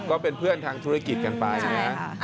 ก็เป็นเพื่อนทางธุรกิจกันไปนะครับ